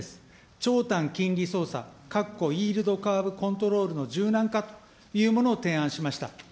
長短金利操作、かっこイールドカーブ・コントロールの柔軟化というものを提案しました。